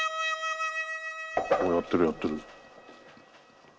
おやってるやってる。